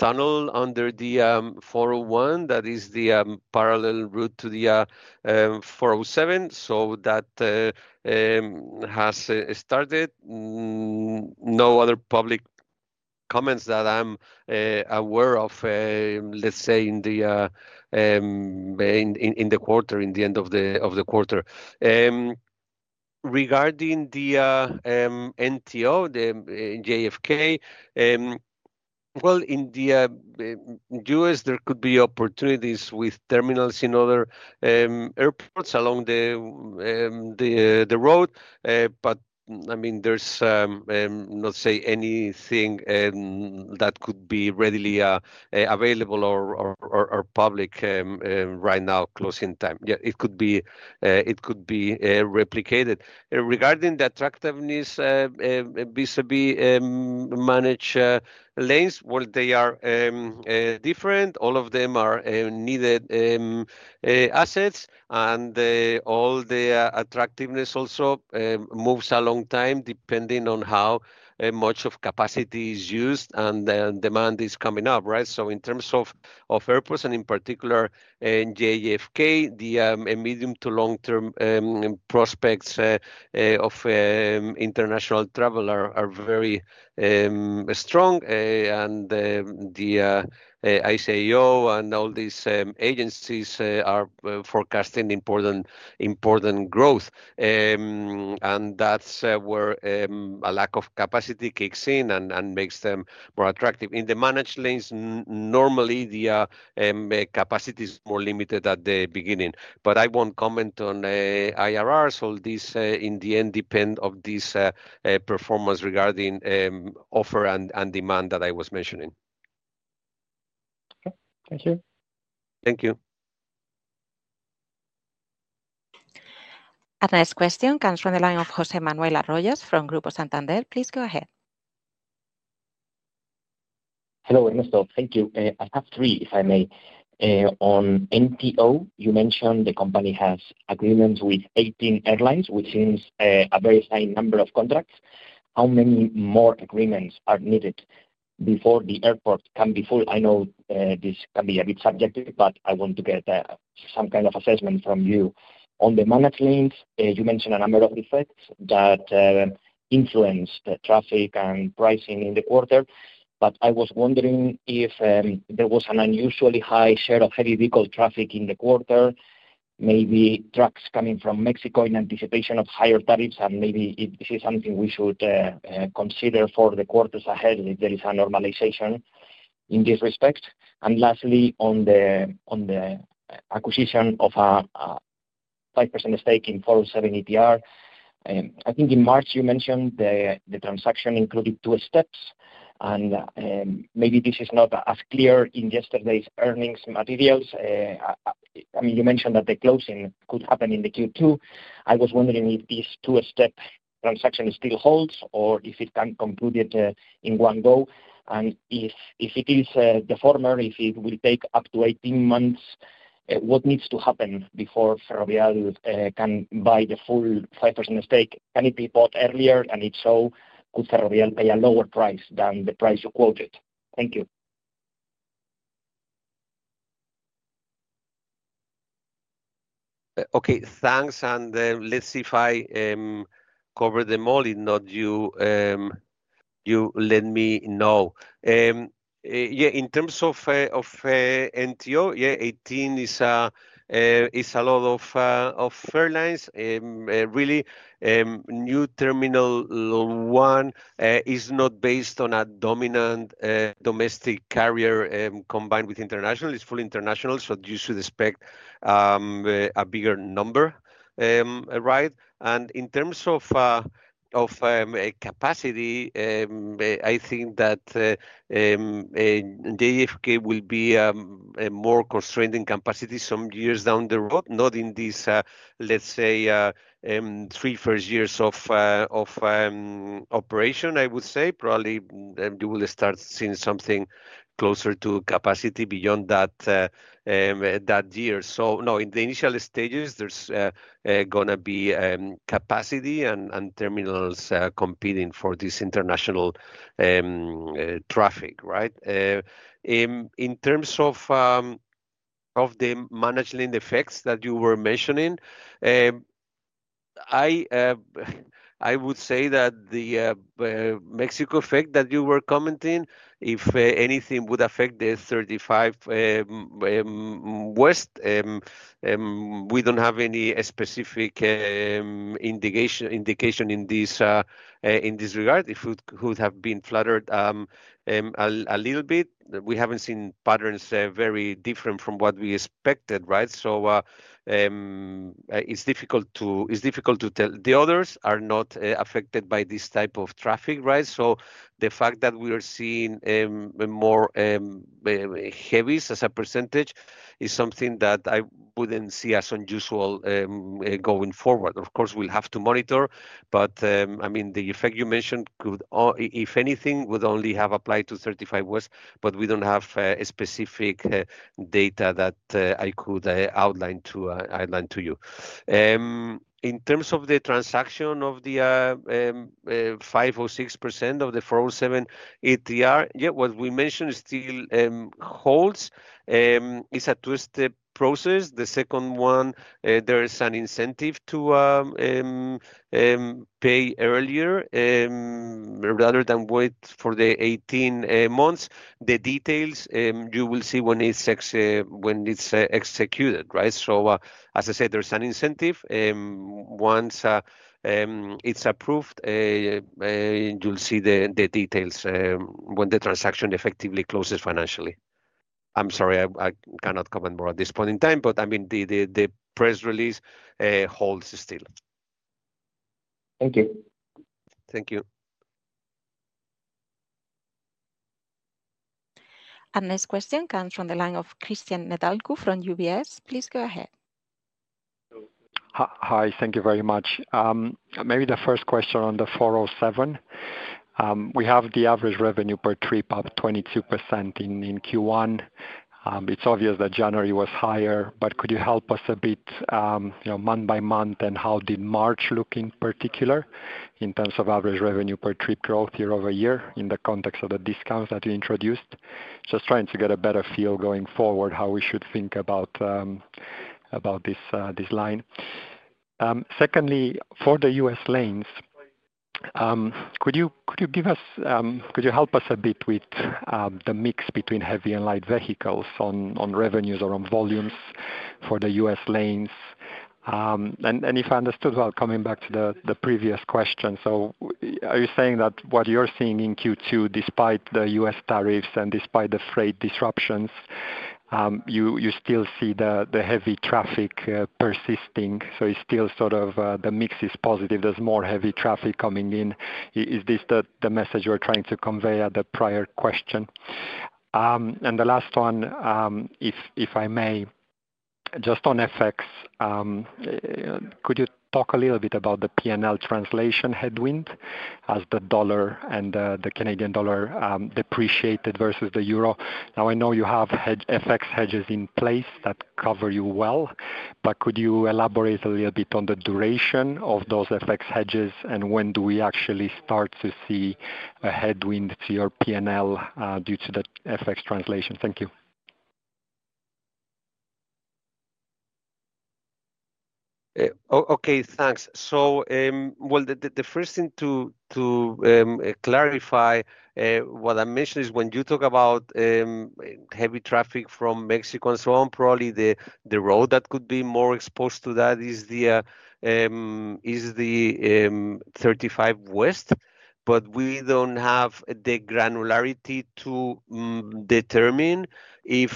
tunnel under the 401 that is the parallel route to the 407. So that has started. No other public comments that I'm aware of, let's say, in the quarter, in the end of the quarter. Regarding the NTO, the JFK, in the U.S., there could be opportunities with terminals in other airports along the road. I mean, there's, let's say, anything that could be readily available or public right now closing time. Yeah, it could be replicated. Regarding the attractiveness vis-à-vis managed lanes, they are different. All of them are needed assets. All the attractiveness also moves a long time depending on how much capacity is used and demand is coming up, right? In terms of airports, and in particular, JFK, the medium to long-term prospects of international travel are very strong. The ICAO and all these agencies are forecasting important growth. That is where a lack of capacity kicks in and makes them more attractive. In the managed lanes, normally, the capacity is more limited at the beginning. I will not comment on IRRs. All these, in the end, depend on this performance regarding offer and demand that I was mentioning. Okay, thank you. Thank you. This question comes from the line of José Manuel Robles from Grupo Santander. Please go ahead. Hello, Ernesto. Thank you. I have three, if I may. On NTO, you mentioned the company has agreements with 18 airlines, which seems a very high number of contracts. How many more agreements are needed before the airport can be full? I know this can be a bit subjective, but I want to get some kind of assessment from you. On the managed lanes, you mentioned a number of effects that influence the traffic and pricing in the quarter. I was wondering if there was an unusually high share of heavy vehicle traffic in the quarter, maybe trucks coming from Mexico in anticipation of higher tariffs. Maybe if this is something we should consider for the quarters ahead if there is a normalization in this respect. Lastly, on the acquisition of a 5% stake in 407 ETR, I think in March, you mentioned the transaction included two steps. Maybe this is not as clear in yesterday's earnings materials. I mean, you mentioned that the closing could happen in Q2. I was wondering if this two-step transaction still holds or if it can conclude in one go. If it is the former, if it will take up to 18 months, what needs to happen before Ferrovial can buy the full 5% stake? Can it be bought earlier? If so, could Ferrovial pay a lower price than the price you quoted? Thank you. Okay, thanks. Let's see if I covered them all. If not, you let me know. Yeah, in terms of NTO, yeah, 18 is a lot of airlines. Really, New Terminal One is not based on a dominant domestic carrier combined with international. It's full international, so you should expect a bigger number, right? In terms of capacity, I think that JFK will be more constrained in capacity some years down the road, not in these, let's say, three first years of operation, I would say. Probably you will start seeing something closer to capacity beyond that year. No, in the initial stages, there's going to be capacity and terminals competing for this international traffic, right? In terms of the Managed lane effects that you were mentioning, I would say that the Mexico effect that you were commenting, if anything, would affect the 35 West. We do not have any specific indication in this regard. It could have been flattered a little bit. We have not seen patterns very different from what we expected, right? It is difficult to tell. The others are not affected by this type of traffic, right? The fact that we are seeing more heavies as a percentage is something that I would not see as unusual going forward. Of course, we will have to monitor. I mean, the effect you mentioned, if anything, would only have applied to 35 West, but we do not have specific data that I could outline to you. In terms of the transaction of the 5.06% of the 407 ETR, yeah, what we mentioned still holds. It's a two-step process. The second one, there is an incentive to pay earlier rather than wait for the 18 months. The details you will see when it's executed, right? As I said, there's an incentive. Once it's approved, you'll see the details when the transaction effectively closes financially. I'm sorry, I cannot comment more at this point in time, but I mean, the press release holds still. Thank you. Thank you. This question comes from the line of Cristian Nedelcu from UBS. Please go ahead. Hi, thank you very much. Maybe the first question on the 407. We have the average revenue per trip of 22% in Q1. It's obvious that January was higher, but could you help us a bit month by month, and how did March look in particular in terms of average revenue per trip growth year-over-year in the context of the discounts that you introduced? Just trying to get a better feel going forward how we should think about this line. Secondly, for the U.S. lanes, could you give us, could you help us a bit with the mix between heavy and light vehicles on revenues or on volumes for the U.S. lanes? If I understood well, coming back to the previous question, are you saying that what you're seeing in Q2, despite the U.S. tariffs and despite the freight disruptions, you still see the heavy traffic persisting? It is still sort of the mix is positive. There is more heavy traffic coming in. Is this the message you're trying to convey at the prior question? The last one, if I may, just on FX, could you talk a little bit about the P&L translation headwind as the dollar and the Canadian dollar depreciated versus the euro? I know you have FX hedges in place that cover you well, but could you elaborate a little bit on the duration of those FX hedges, and when do we actually start to see a headwind to your P&L due to the FX translation? Thank you. Okay, thanks. The first thing to clarify what I mentioned is when you talk about heavy traffic from Mexico and so on, probably the road that could be more exposed to that is the 35 West. We do not have the granularity to determine if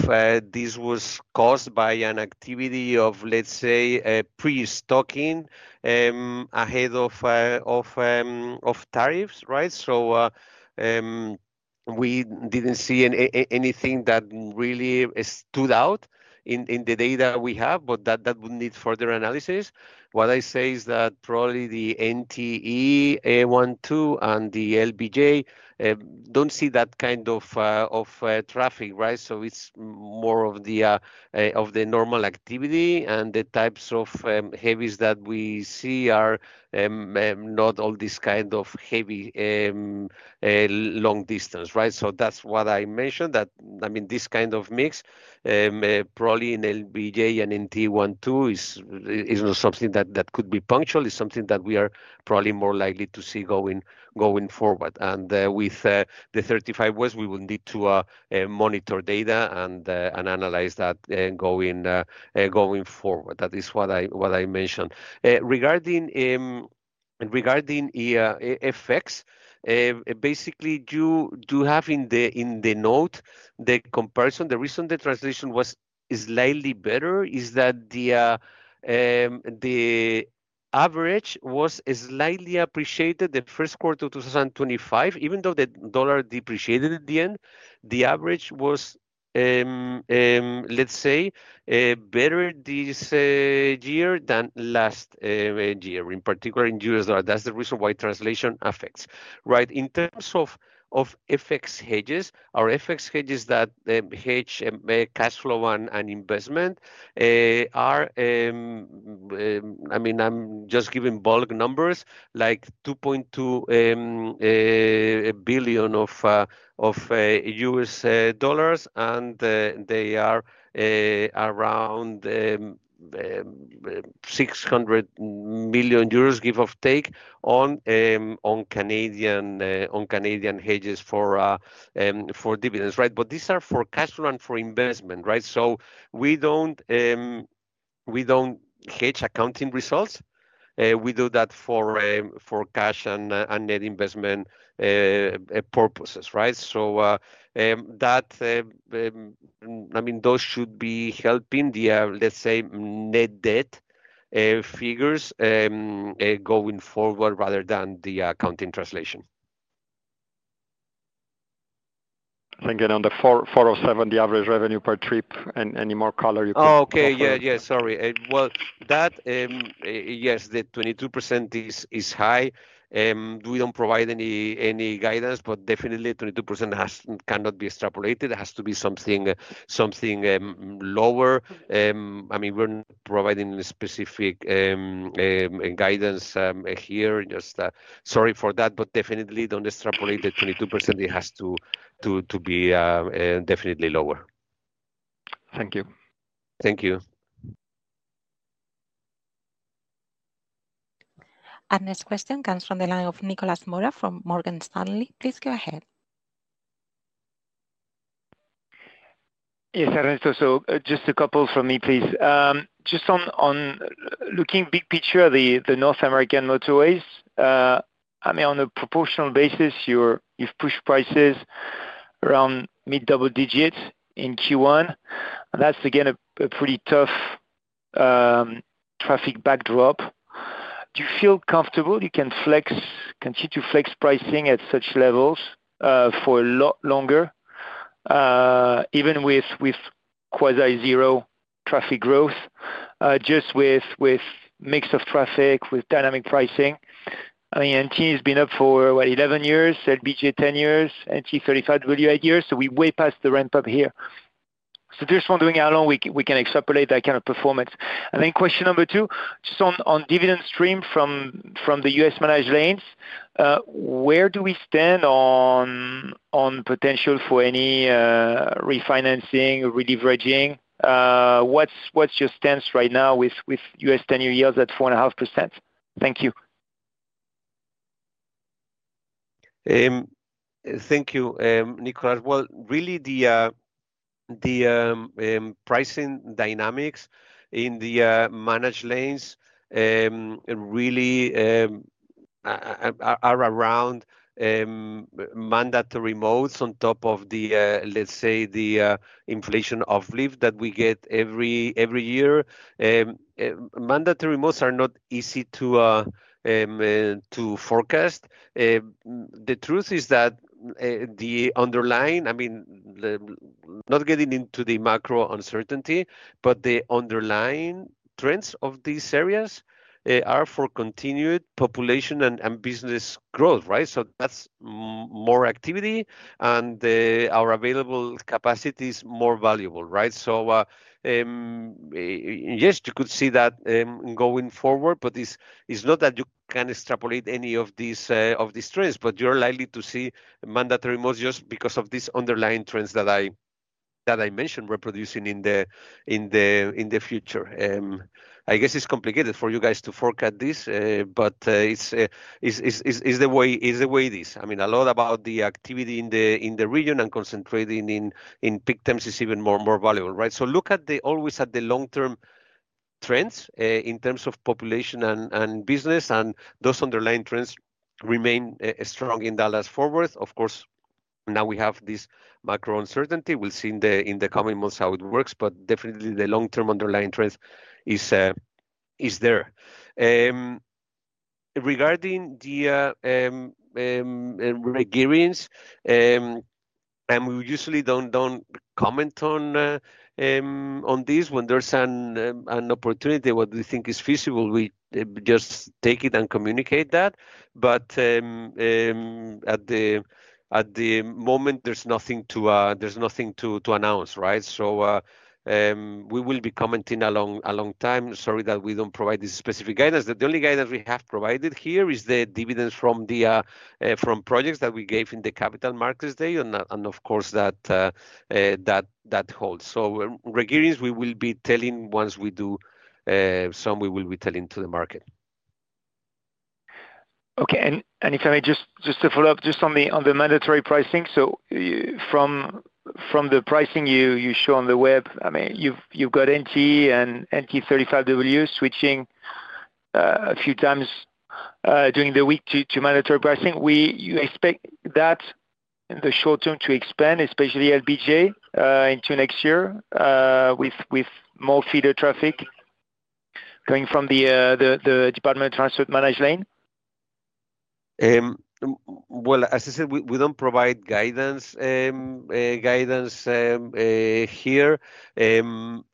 this was caused by an activity of, let's say, pre-stocking ahead of tariffs, right? We did not see anything that really stood out in the data we have, but that would need further analysis. What I say is that probably the NTE and the LBJ do not see that kind of traffic, right? It is more of the normal activity, and the types of heavies that we see are not all this kind of heavy long distance, right? That is what I mentioned, that I mean, this kind of mix probably in LBJ and NTE is not something that could be punctual. It's something that we are probably more likely to see going forward. With the 35 West, we will need to monitor data and analyze that going forward. That is what I mentioned. Regarding FX, basically, you do have in the note the comparison. The reason the translation was slightly better is that the average was slightly appreciated the first quarter of 2025. Even though the dollar depreciated at the end, the average was, let's say, better this year than last year, in particular in US dollar. That's the reason why translation affects, right? In terms of FX hedges, our FX hedges that hedge cash flow and investment are, I mean, I'm just giving bulk numbers, like $2.2 billion of U.S. dollars, and they are around 600 million euros, give or take, on Canadian hedges for dividends, right? These are for cash flow and for investment, right? We do not hedge accounting results. We do that for cash and net investment purposes, right? That should be helping the, let's say, net debt figures going forward rather than the accounting translation. Thank you. On the 407, the average revenue per trip, any more color you can provide? Oh, okay. Yeah, yeah. Sorry. Yes, the 22% is high. We do not provide any guidance, but definitely 22% cannot be extrapolated. It has to be something lower. I mean, we are not providing specific guidance here. Sorry for that, but definitely do not extrapolate the 22%. It has to be definitely lower. Thank you. Thank you. This question comes from the line of Nicolas Mora from Morgan Stanley. Please go ahead. Yes, Ernesto. Just a couple from me, please. Just on looking big picture, the North American motorways, I mean, on a proportional basis, you've pushed prices around mid-double digits in Q1. That's, again, a pretty tough traffic backdrop. Do you feel comfortable you can continue to flex pricing at such levels for a lot longer, even with quasi-zero traffic growth, just with mix of traffic, with dynamic pricing? I mean, NTE has been up for, what, 11 years, LBJ 10 years, NTE 35 West 8 years. We are way past the ramp-up here. Just wondering how long we can extrapolate that kind of performance. Then question number two, just on dividend stream from the U.S. Managed lanes, where do we stand on potential for any refinancing or re-leveraging? What's your stance right now with U.S. 10-year yields at 4.5%? Thank you. Thank you, Nicolas. The pricing dynamics in the managed lanes really are around mandatory modes on top of the, let's say, the inflation uplift that we get every year. Mandatory modes are not easy to forecast. The truth is that the underlying, I mean, not getting into the macro uncertainty, but the underlying trends of these areas are for continued population and business growth, right? That is more activity, and our available capacity is more valuable, right? Yes, you could see that going forward, but it's not that you can extrapolate any of these trends, but you're likely to see mandatory modes just because of these underlying trends that I mentioned reproducing in the future. I guess it's complicated for you guys to forecast this, but it's the way it is. I mean, a lot about the activity in the region and concentrating in peak times is even more valuable, right? Look always at the long-term trends in terms of population and business, and those underlying trends remain strong in Dallas Fort Worth. Of course, now we have this macro uncertainty. We will see in the coming months how it works, but definitely the long-term underlying trends are there. Regarding the regearings, and we usually do not comment on this when there is an opportunity, what we think is feasible, we just take it and communicate that. At the moment, there is nothing to announce, right? We will be commenting a long time. Sorry that we do not provide this specific guidance. The only guidance we have provided here is the dividends from projects that we gave in the Capital Markets Day, and of course, that holds. Regearings, we will be telling once we do some, we will be telling to the market. Okay. If I may, just to follow up, just on the mandatory pricing. From the pricing you show on the web, I mean, you've got NTE and NTE 35 West switching a few times during the week to mandatory pricing. We expect that in the short term to expand, especially LBJ, into next year with more feeder traffic coming from the Department of Transport Managed Lane? As I said, we do not provide guidance here.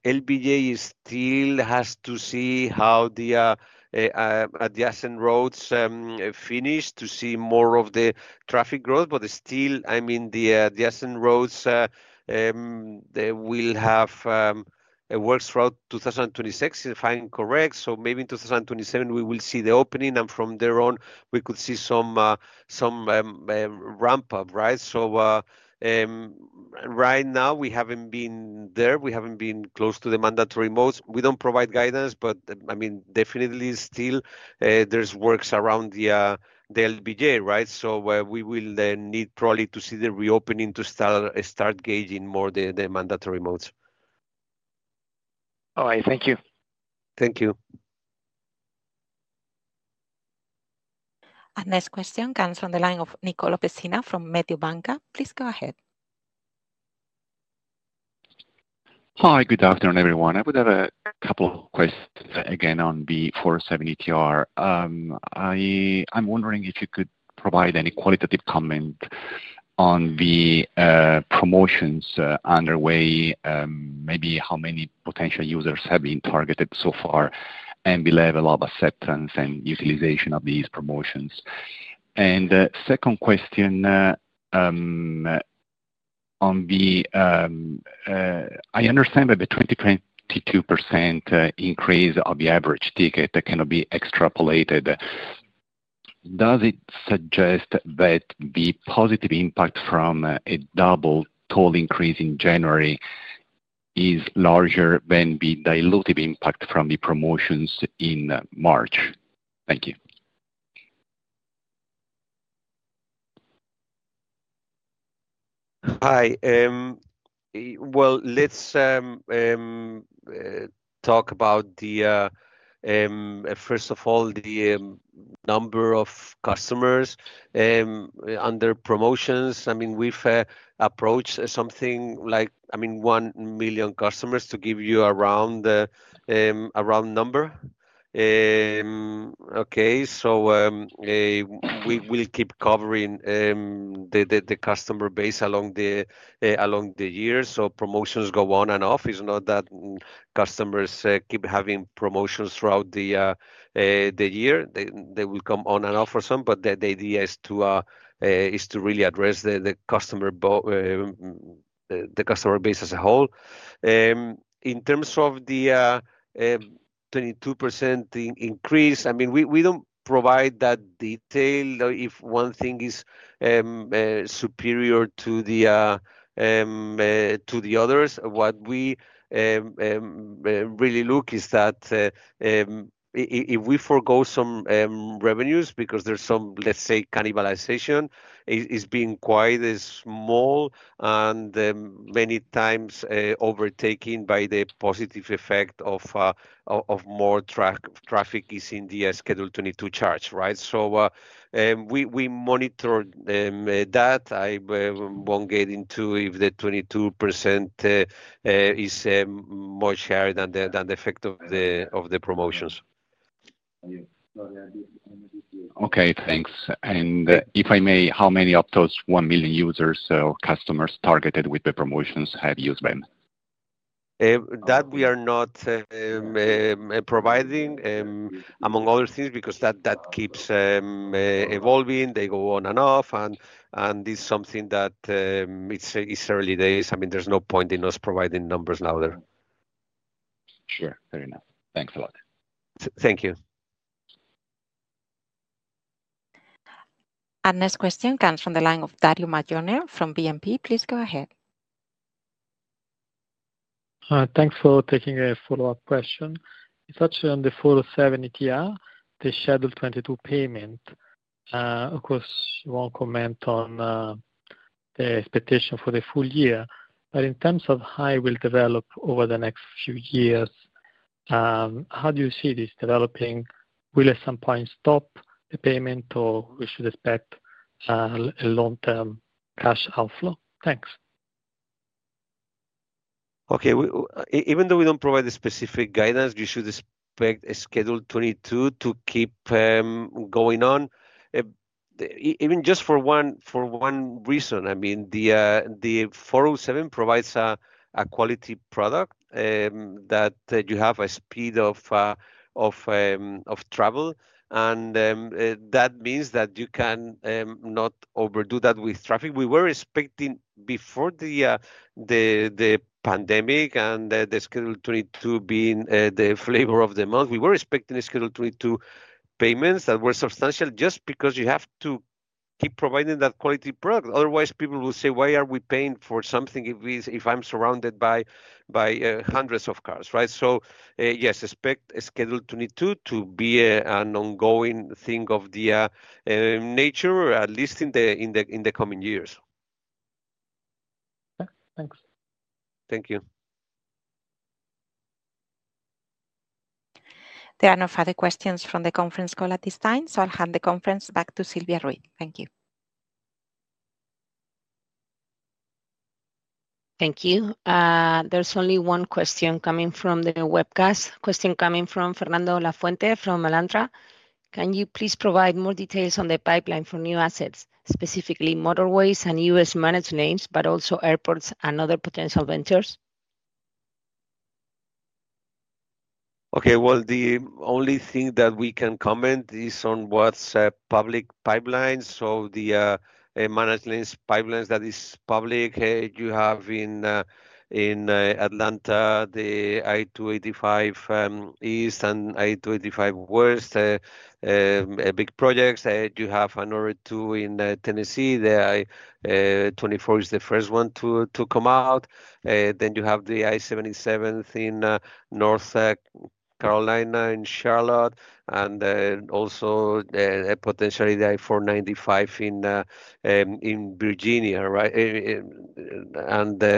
LBJ still has to see how the adjacent roads finish to see more of the traffic growth, but still, I mean, the adjacent roads will have works throughout 2026, if I am correct. Maybe in 2027, we will see the opening, and from there on, we could see some ramp-up, right? Right now, we have not been there. We have not been close to the mandatory modes. We do not provide guidance, but I mean, definitely still, there are works around the LBJ, right? We will need probably to see the reopening to start gauging more the mandatory modes. All right. Thank you. Thank you. This question comes from the line of Nicolò Pessina from Mediobanca. Please go ahead. Hi, good afternoon, everyone. I would have a couple of questions again on the 407 ETR. I'm wondering if you could provide any qualitative comment on the promotions underway, maybe how many potential users have been targeted so far, and the level of acceptance and utilization of these promotions. Second question on the, I understand that the 22% increase of the average ticket that can be extrapolated. Does it suggest that the positive impact from a double toll increase in January is larger than the dilutive impact from the promotions in March? Thank you. Hi. Let's talk about, first of all, the number of customers under promotions. I mean, we've approached something like, I mean, 1 million customers to give you a round number. Okay. We will keep covering the customer base along the year. Promotions go on and off. It's not that customers keep having promotions throughout the year. They will come on and off for some, but the idea is to really address the customer base as a whole. In terms of the 22% increase, I mean, we don't provide that detail. If one thing is superior to the others, what we really look at is that if we forgo some revenues because there's some, let's say, Cannibalization, it's been quite small and many times overtaken by the positive effect of more traffic is in the Schedule 22 charge, right? We monitor that. I won't get into if the 22% is much higher than the effect of the promotions. Okay. Thanks. If I may, how many of those 1 million users or customers targeted with the promotions have used them? That we are not providing, among other things, because that keeps evolving. They go on and off, and it's something that it's early days. I mean, there's no point in us providing numbers now there. Sure. Fair enough. Thanks a lot. Thank you. This question comes from the line of Dario Maglione from BNP. Please go ahead. Thanks for taking a follow-up question. It's actually on the 407 ETR, the Schedule 22 payment. Of course, you won't comment on the expectation for the full year, but in terms of how it will develop over the next few years, how do you see this developing? Will at some point stop the payment, or we should expect a long-term cash outflow? Thanks. Okay. Even though we do not provide the specific guidance, we should expect Schedule 22 to keep going on, even just for one reason. I mean, the 407 provides a quality product that you have a speed of travel, and that means that you cannot overdo that with traffic. We were expecting before the pandemic and the Schedule 22 being the flavor of the month, we were expecting Schedule 22 payments that were substantial just because you have to keep providing that quality product. Otherwise, people will say, "Why are we paying for something if I am surrounded by hundreds of cars?" Right? Yes, expect Schedule 22 to be an ongoing thing of the nature, at least in the coming years. Okay. Thanks. Thank you. There are no further questions from the conference call at this time, so I'll hand the conference back to Silvia Ruiz. Thank you. Thank you. There's only one question coming from the webcast. Question coming from Fernando Lafuente from Alantra. Can you please provide more details on the pipeline for new assets, specifically motorways and U.S. Managed lanes, but also Airports and other potential ventures? Okay. The only thing that we can comment is on what's public pipelines. The managed lanes pipelines that are public, you have in Atlanta, the I-285 East and I-285 West, big projects. You have another two in Tennessee. The I-24 is the first one to come out. You have the I-77 in North Carolina and Charlotte, and also potentially the I-495 in Virginia, right?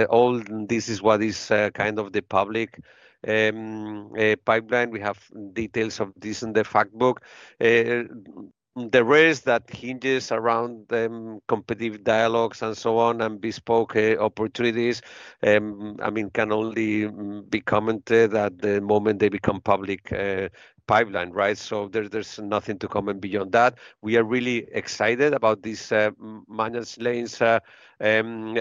All this is what is kind of the public pipeline. We have details of this in the fact book. The rest that hinges around competitive dialogues and so on and bespoke opportunities, I mean, can only be commented at the moment they become public pipeline, right? There is nothing to comment beyond that. We are really excited about these managed lanes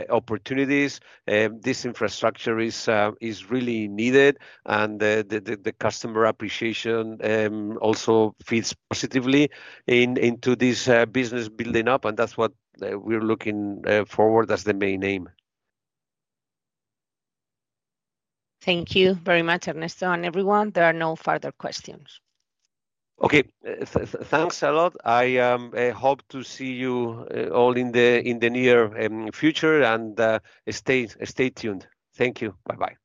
opportunities. This infrastructure is really needed, and the customer appreciation also feeds positively into this business building up, and that's what we're looking forward as the main aim. Thank you very much, Ernesto and everyone. There are no further questions. Okay. Thanks a lot. I hope to see you all in the near future, and stay tuned. Thank you. Bye-bye.